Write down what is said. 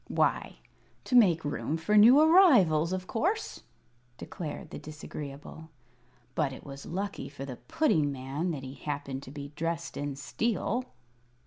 "Why, to make room for new arrivals, of course," declared the Disagreeable. "But it was lucky for the Pudding Man that he happened to be dressed in steel."